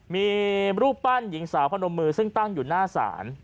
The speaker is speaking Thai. มีรูปปั้นหญิงสาวพนมมือซึ่งตั้งอยู่หน้าศาล